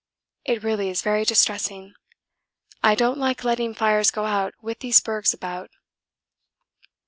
It really is very distressing. I don't like letting fires go out with these bergs about.